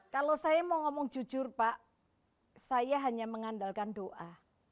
kalau saya mau ngomong jujur pak saya hanya mengandalkan doa